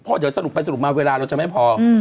เพราะเดี๋ยวสรุปไปสรุปมาเวลาเราจะไม่พอ